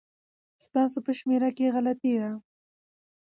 ستاسو په شمېره کي غلطي ده